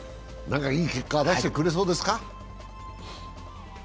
いい結果を出してくれそうですか？